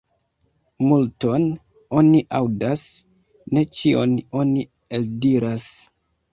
Multon oni aŭdas, ne ĉion oni eldiras.